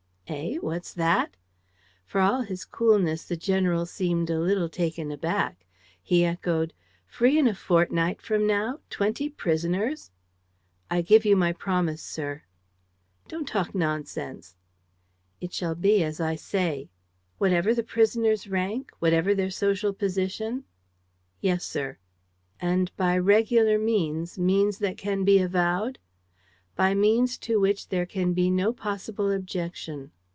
"Eh? What's that?" For all his coolness, the general seemed a little taken aback. He echoed: "Free in a fortnight from now! Twenty prisoners!" "I give you my promise, sir." "Don't talk nonsense." "It shall be as I say." "Whatever the prisoners' rank? Whatever their social position?" "Yes, sir." "And by regular means, means that can be avowed?" "By means to which there can be no possible objection."